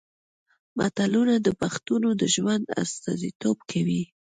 متلونه د پښتنو د ژوند استازیتوب کوي